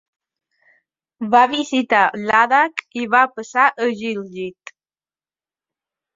Va visitar Ladakh i va passar a Gilgit.